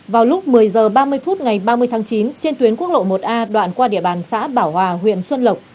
vào lúc một mươi h ba mươi phút ngày ba mươi tháng chín trên tuyến quốc lộ một a đoạn qua địa bàn xã bảo hòa huyện xuân lộc